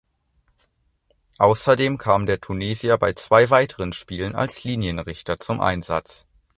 Außerdem kam der Tunesier bei zwei weiteren Spielen als Linienrichter zum Einsatz.